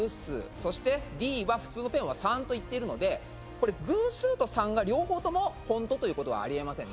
そしてＤは普通のペンは３と言っているので偶数と３が両方とも本当ということはあり得ません。